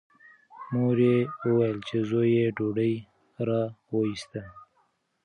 مور یې وویل چې زوی یې ډوډۍ راوایسته.